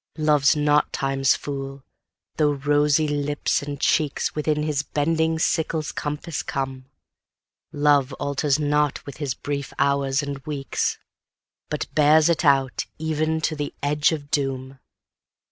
Love's not Time's fool, though rosy lips and cheeks Within his bending sickle's compass come; Love alters not with his brief hours and weeks, But bears it out even to the edge of doom.